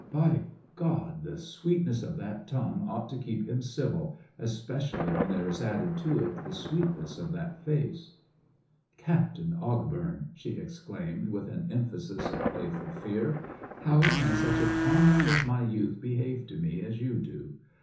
By God! the sweetness of that tongue ought to keep him civil, especially when there is added to it the sweetness of that face!' 'Captain Ogbourne!' she exclaimed, with an emphasis of playful fear. 'How can such a comrade of my youth behave to me as you do?